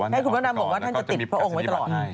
ให้คุณพระดำบอกว่าท่านจะติดพระองค์ไว้ตลอด